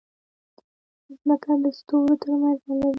مځکه د ستورو ترمنځ ځلوي.